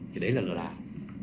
thì đấy là lừa đảo